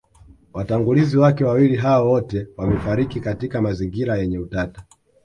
Watangulizi wake wawili hao wote wamefariki katika mazingira yenye utata